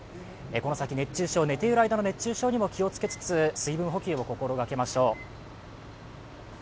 この先、熱中症、寝ている間の熱中症にも気をつけつつ水分補給を心がけましょう。